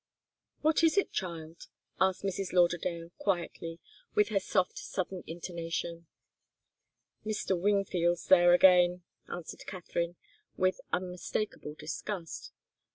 "What is it, child?" asked Mrs. Lauderdale, quietly, with her soft southern intonation. "Mr. Wingfield's there again," answered Katharine, with unmistakable disgust.